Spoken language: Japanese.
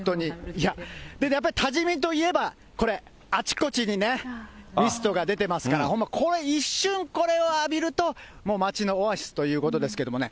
いや、でね、やっぱり多治見といえばこれ、あちこちにね、ミストが出てますから、これ一瞬浴びると、もう町のオアシスということですけれどもね。